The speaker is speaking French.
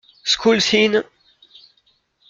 School's In!